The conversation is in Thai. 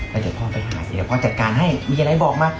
เดี๋ยวพ่อไปหาเสียพ่อจัดการให้มีอะไรบอกมา